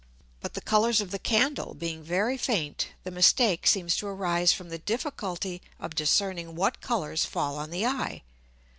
But the Colours of the Candle being very faint, the mistake seems to arise from the difficulty of discerning what Colours fall on the Eye.